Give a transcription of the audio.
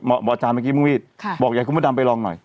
บอกอาจารย์เมื่อกี้มีดบอกใหญ่คุณพระดำไปลองหน่อย